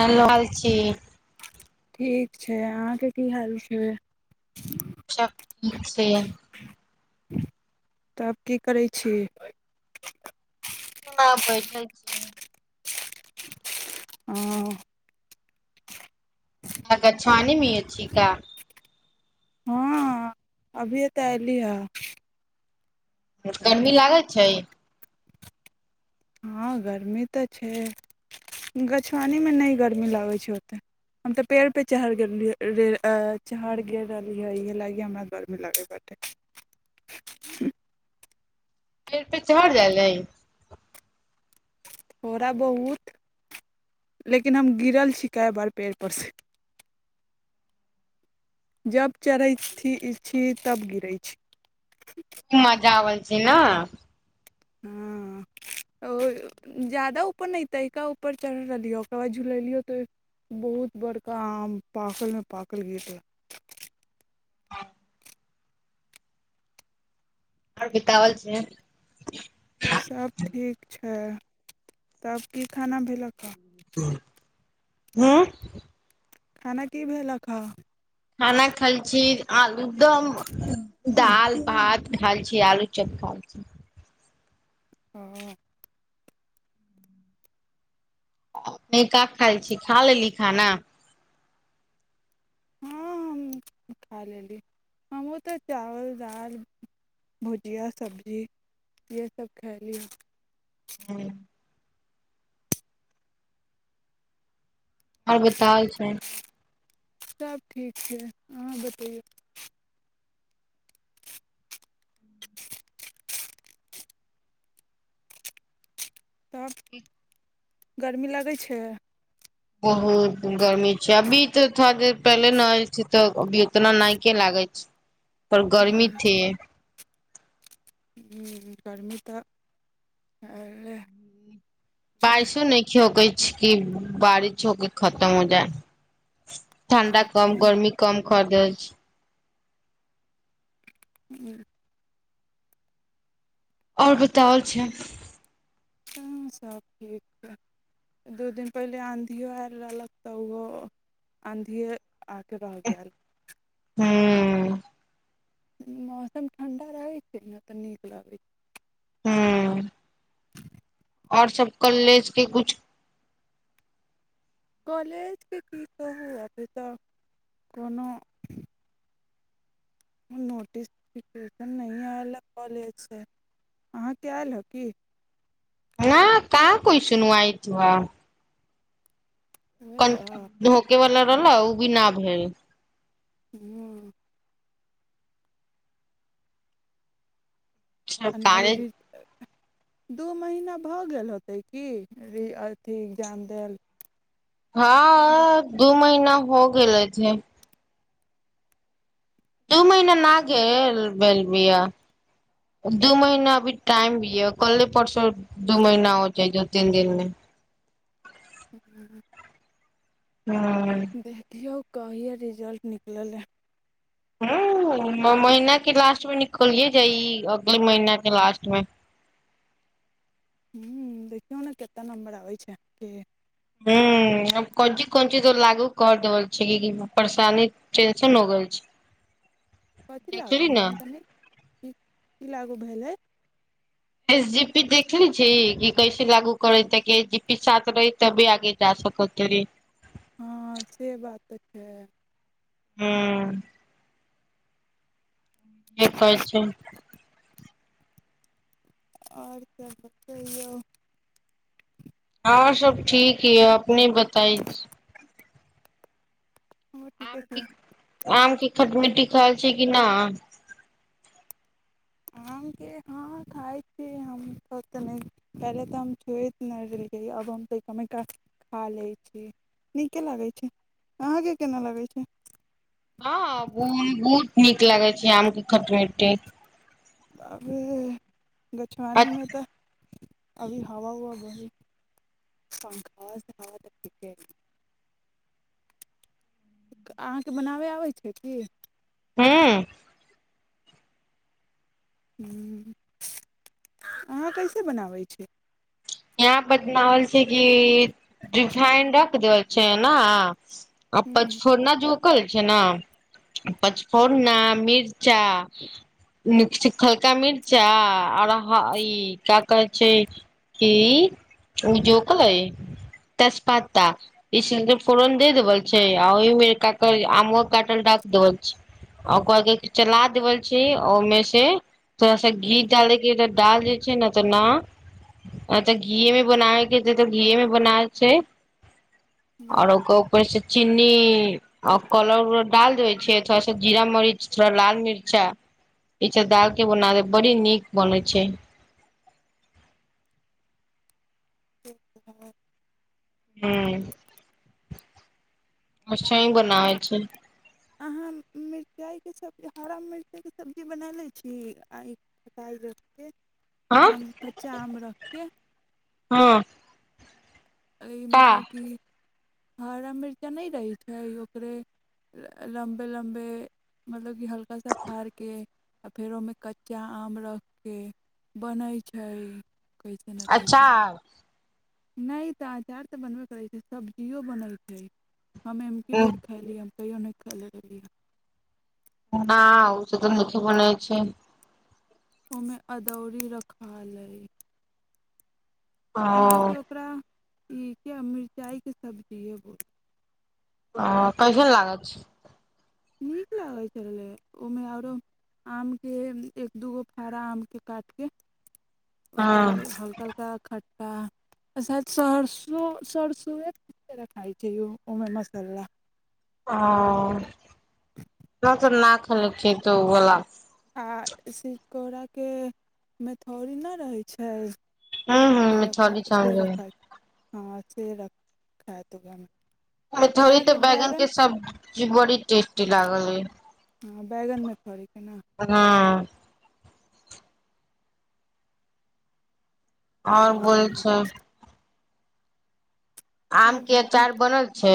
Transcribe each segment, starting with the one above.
ह फाल छी ठीक छै अहाँके की हाल छै। सब ठीक छै। तब आब की करै छी। सुना बैठल छी। ओ। कग छान म अ छिका। हँ अभिये तऽ अयली हँ। गर्मी लागैत छै। हँ गर्मी तऽ छै गछआनीीमे नहि गर्मी लागै छै ओतेक हम तऽ पेड़पे चढ़ि गेलियै चढ़ि गेलि रहलियै इएह लागि हमरा गरमी लागय पटै। पेड़ पे चढ़ जाै। थोड़ा बहुत, लेकिन हम गिरल छीिकै बार पेड़ पर से। जब चरैत छी तब गिरै छी। ख मजा आल छी ने। हँ ओ जादा ऊपर नहि तयका ऊपर चढ़ रहलियै ओकर बाद झुलेलियौ तऽ बहुत बड़का आम पाकलमे पाकल गिर ह। आओर बितावल छै। सब ठीक छै, तब की खाना भेलक हे? हँ। खाना की भेल ह खा खाना खाइ छी आदम दाल भात खाइ छी आलू चप खा छी। ह। नहि काक खाइ छी, खा लेली खाना? हँ हम खा लेली, हमहूँ तऽ चावल -दालि, भुजिया -सब्जी इएहसभ खयली। आओर बताउ छै। सभ ठीक छै, अहाँ बतैयो? तब एक। गर्मी लगै छै? बहुत गर्मी छै, अभी तऽ थोड़ा देर पहिले नेहा के, आय छै तऽ अभी ओतना नाइके लागै छै। पर गर्मी थी। गर्म तऽ आ बारिश नहि खियौ कै। की, बारिश होके खतम हो जाए। ठण्डा कम, गर्मी कम, क दै छै। ह। आओर बताओल छै? ह सभ ठीक छै, दू दिन पहिले आँधिओ आयल रहलक, तऽ ओहो आँधिए आ कऽ रहहि गेल। हू। मौसम ठण्ढा रहै छै ने, तऽ नीक लगै छै। हू। आओर सब कॉलेके के कुछ कॉलेजके की कहियो, अभी तऽ कोनो नोटिसफिकेशन नहि आयल हँ, कॉलेजसँ, अहाँके आयल हे की? आ कइ आठआ [unintelligible] उहे क तऽ धोके वला। ओ भी न भेल। ह्म। आना कालेज [unintelligible] दू महीना भऽ गेल होतै की? अथि एक्जाम देल। हँ अ दू महि न हो गेल रहै छै। दू महीना न गेल भैय बियाह दू महीना अभी टाइम अभी दिय, कले परसो दू महीना हो जाइ, दो तीन दिन मे। ह्म। हूँ दखियो। कहिआ रिजल्ट निकलल हइ। ह महिना के लास्टमे निकलिये जाइ, अगले महीना के लास्ट मे। हूँ देखियौ ने केतना नम्बर आबै छैय अहां के। हूँ कोन चीज कोन चीज तो लागू कर देल छैय परेशानी टेंशन हो गेल छैय। कथी लागू हमरा ते नै क की लागू भेलै? एस जी पी देखली छी, कि कैसे लागू करै, ताकि एस जी पी साथ रहै तभी आगे जा सकते हँ से बात तऽ छैय। हूँ। जे कहै छैय। आ और सभ बतैयौ। और सब ठीक ये अपने बताई। हमर ठीके आम छै की आम की खट मिट्ठी खाई छी कि ना। आमके हँ खाइ छी हम त त नहि पहिले तऽ हम छुयेत नै रहलियै आब हम तऽ कनिटा खा लैत छी नीके लागै छैय अहाँके केना लगै छैय। हँ बहुत नीक लागै छैय आमके खट मिट्ठी। बापरे गछआनीमे तऽ अभी हवा उवा बहे पंखा के हवा ते ठीके है अहाँके बनाबे आबै छैय की। हूँ। हूँ अहाँ कैसे बनाबै छीय। अहाँ बतनावल छैय कि रिफाइन रख देल छैय ना। अब पछफोरना जो कहल छैय ने पचफोरना मिर्चा हलका मिर्चा और ई क्या कहै छैय। की उ जोखले तेजपत्ता इसलि फोरन दे देबल छैय आ ओहिमे काक आम काटल डाक देवल छैय आ ओकर चला देवल छै ओहिमे से। थोड़ा सा घी डालैके डाल दे किना तना अ तऽ घीए मे बनाबे के छैय तऽ घीय मे बनाल छैय। और ओकर उपर से चीनी आ कलर उलर डाल दै छैय थोड़ा सा जीरा मरीच थोड़ा लाल मिर्चा ई सब डाल के बना दे बड़ी नीक बनै छैय। [unintelligible] हूं। मचछी बनावै अहाँ छैय। अहाँ मिर्चाइके सब्जी हरा मिर्चाइके सब्जी बना लैत छी आ ई काइल रे हँ आम कच्चा आम र किये हँ। अई का मतलब कि हरा मिर्चा नै रहैत छैय ओकरे लम्बे लम्बे मतलब कि हल्का सा फाड़ के आ फेर ओहिमे कच्चा आम रख के बनैत छैय। कैसे न कैसे अचार नै तऽ अचार तऽ बनबे करैत छैय सब्जियो बनैत छैय। हम एमी बर खा ली। कहिओ नहिल ल न ओ से त नी बनाय छै। ओमें अदौरी रखा लय ओ मतलब कि ओकरा ई क्या मिरचाई के सब्जी एगो। ह पैस ने लाग छै। नीक लागै छलै ओहिमे आरो आमके एक दू गो फड़ा आमके काटि कऽ ओ हँ तऽ हल्का हल्का ख आ सा सरसो सरसो एक र रखाय छै उमे मसाला ओ न खल खत गला आ सिकोराके मेथौड़ नहि रहै छै। हू ह मिथी चल। हां अच्छे रख खैत [unintelligible] [unintelligible] तऽ बैगन के सब्जी बड़ी टेस्टी लागल ए। हां बैगनमे फड़य के नै। हां। और बोलै तब छै। आम के ठीक अचार बनल छै।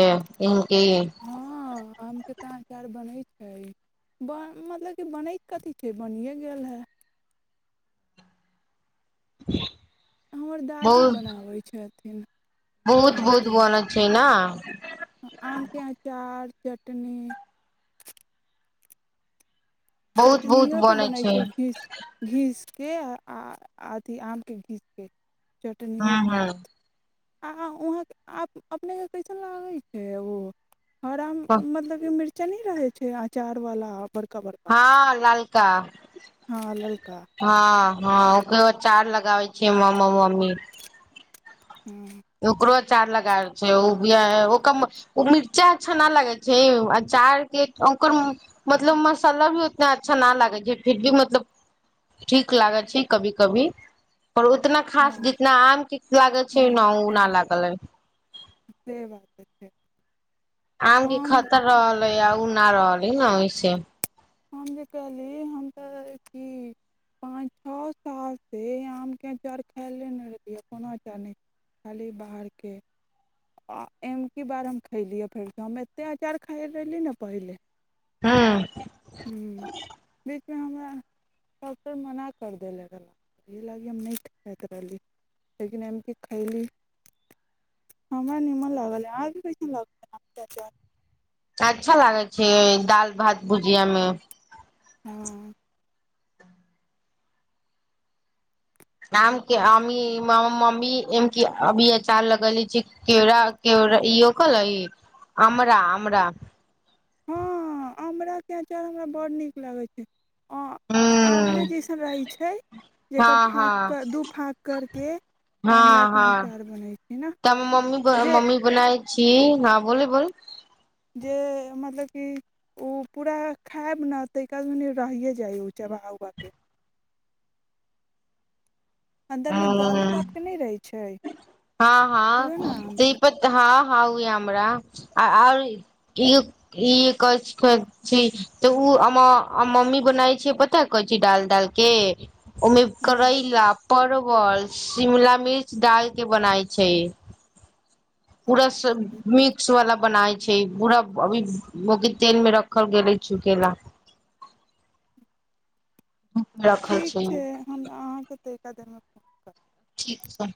ईहो की हँ आमके तऽ अचार बनै छै बन मतलब कि बनैत कथी छै बनिए गेल हय। [inaudible] हमर दादी बहुत बनाबै छै। तीन बहुत बहुत बनै छै न। [inaudible] आम के अचार, चटनी चटनियों तऽ बनै छै घीस घीस के आ अथी आम के घीस के चटनियो हँ हँ बनत आ उहाँ आ अपने के कैसन लागै छै ओ। हरा मतलब की मिर्च चनी रहे छै अचार वाला बड़का बड़का हां ललका हँ ललका हां। हां ओकरो अचार लगाबै छै मामा मम्मी हूं। चार लगाबे छै उ [unintelligible] ओकरा मे उ मिर्चा अच्छा न लागे छै अचार के ओकर मतलब मसाला भी उतना अच्छा न लागे छै फिर भी मतलब ठीक लागै छै कभी कभी। पर उतना खास हँ जितना आम के लागे छै न हँ उ न हँ लागलै। से बात छै। आम के हम खतिर रहलै यै उ ना रहलै नै ओय से हम जे कहलिए हम तऽ ई पाँच छ साल से आमके अचार खायले ने रहलियै कोनो अँचार नै खाली बाहरके आ एमकी बार हम खैयलीए फेर से हम एते अचार खाय रहली ने पहिले हां। हुं बीचमे हमरा डॉक्टर मना कर देला रहला इ लागी हम नै खाइत रहली लेकिन एमकी खयली हमरा निमन लागले अहाँके कैसन लागल आम के अचार। अच्छा लागै छै दाल भात भुजिया मे। हां। आम अी मम्मी एम की अभी अचार लगली छै केरा केरा ईहो कल अमरा आमरा। हँ आमरकके अँचार हमरा बड्ड नीक लगै छै। आ आँवले हूँ जैसन रहै छै हँ जकर हँ फाँक दू फाँक करकेऽ हँ आमराके यहाँ हँ अँचाउर बनै छै ने तऽ जे। न बोल बोल जे मतलब कि ओ पूरा खायब ने तै क रहिे जाइ ओ चढ़ा उव के। ह छै हँ हँ उएह ने आम त्रिपत हँ। उ य हमरा आ आर तऽ ओ मम्मी बनाय छै पता कर छी डाल दाल के ओमेी करै ल परवल शिमला मिर्च डाल के बनाइ छै। पूरा अच्छा ऐसे ने। मिक्स वाला बनाय छै पूरा अभी तेल मे रखल गेले छ केला। ठीक छै हम अहाँके देख साधारमे। ठीक छै।